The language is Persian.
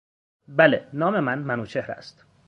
بله، نام من منوچهر است.